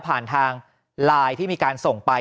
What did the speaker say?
ผ่านทางไลน์ที่มีการส่งไป